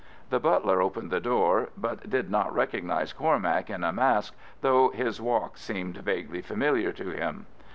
The butler opened the door, but did not recognise Cormac in a mask, though his walk seemed vaguely familiar to him.